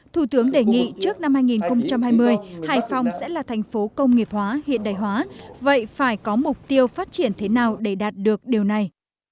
thủ tướng đề nghị trước năm hai nghìn hai mươi hải phòng sẽ là thành phố công nghiệp hóa hiện đại hóa vậy phải có mục tiêu phát triển thế nào để đạt được điều này